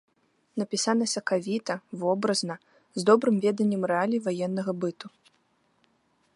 Напісаны сакавіта, вобразна, з добрым веданнем рэалій ваеннага быт.